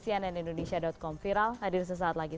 cnnindonesia com viral hadir sesaat lagi